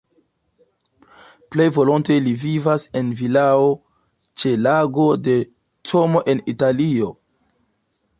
Plej volonte li vivas en vilao ĉe Lago de Como en Italio.